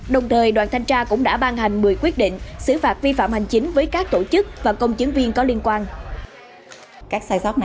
đồng thời đoàn thanh tra cũng đã ban hành một mươi quyết định xử phạt vi phạm hành chính với các tổ chức và công chứng viên có liên quan